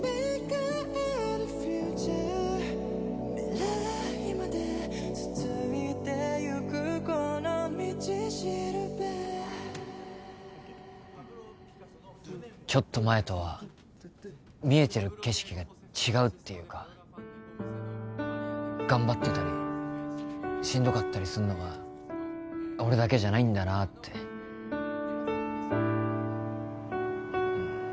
うんちょっと前とは見えてる景色が違うっていうか頑張ってたりしんどかったりすんのは俺だけじゃないんだなってうん